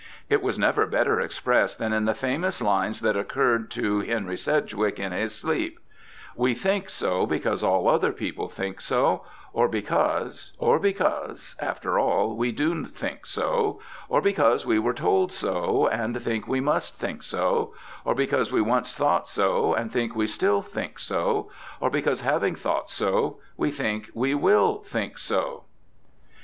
It was never better expressed than in the famous lines that occurred to Henry Sidgwick in his sleep : We think so because all other people think so; Or because — or because— after all, we do think so ; Or because we were told so, and think we must think so ; Or because we once thought so, and think we still think so; Or because, having thought so, we think we will think so.